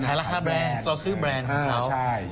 ขายราคาแบรนด์ซื้อแบรนด์ของเรา